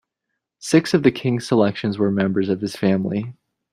Six of the King's selections were members of his family.